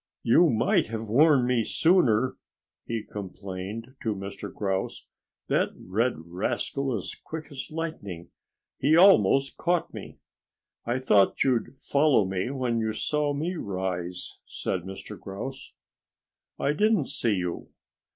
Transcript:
"You might have warned me sooner," he complained to Mr. Grouse. "That red rascal is quick as lightning. He almost caught me." "I thought you'd follow me when you saw me rise," said Mr. Grouse. "I didn't see you."